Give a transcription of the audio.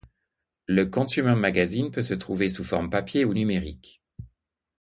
Le consumer magazine peut se trouver sous forme papier ou numérique.